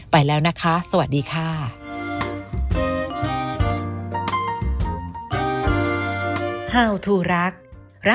ไปแล้วนะคะสวัสดีค่ะ